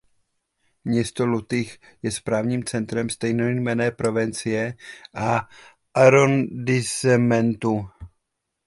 Město Lutych je správním centrem stejnojmenné provincie a arrondissementu.